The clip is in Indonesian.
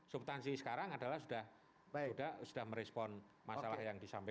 subtansi sekarang adalah sudah merespon masalah yang disampaikan